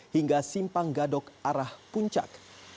hingga simpang gadok arah puncak